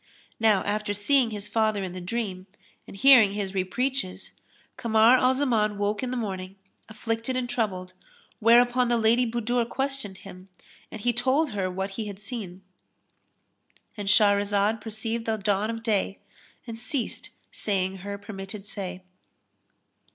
Now after seeing his father in the dream and hearing his re preaches, Kamar al Zaman awoke in the morning, afflicted and troubled, whereupon the Lady Budur questioned him and he told her what he had seen.—And Shahrazad perceived the dawn of day and ceased saying her permitted say.